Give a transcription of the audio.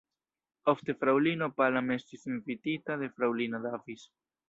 Ofte fraŭlino Palam estis invitita de fraŭlino Davis.